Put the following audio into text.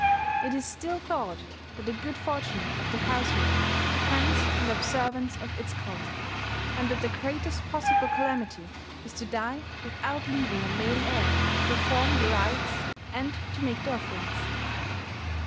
It is still thought that the good fortune of the household depends on the observance of its cult, and that the greatest possible calamity is to die without leaving a male heir to perform the rites and to make the offerings.